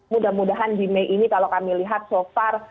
mudah mudahan di mei ini kalau kami lihat so far